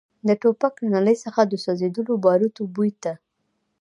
د ټوپک له نلۍ څخه د سوځېدلو باروتو بوی ته.